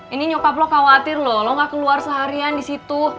ini nyokap lo khawatir loh lo gak keluar seharian di situ